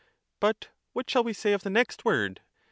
But what shall we say of the next word?